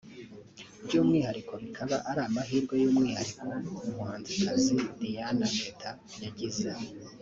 by’umwihariko bikaba ari amahirwe y’umwihariko umuhanzikazi Diana Teta yagize